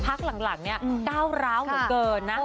พักหลังหลังเนี่ยอืมเก้าร้าวเหมือนเกินนะโอ้